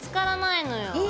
え？